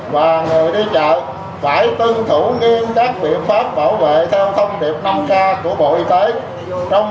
và người đi chợ phải tuân thủ nghiêm các biện pháp bảo vệ theo thông điệp năm k của bộ y tế